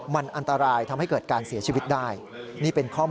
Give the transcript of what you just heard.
มันอันตรายทำให้เกิดการเสียชีวิตได้